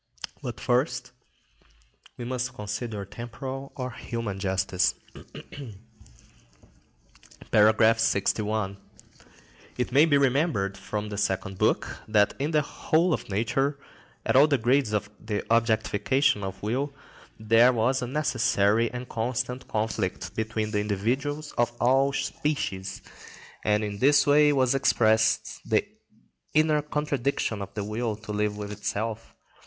But first we must consider temporal or human justice.(73) § 61. It may be remembered from the Second Book that in the whole of nature, at all the grades of the objectification of will, there was a necessary and constant conflict between the individuals of all species; and in this way was expressed the inner contradiction of the will to live with itself.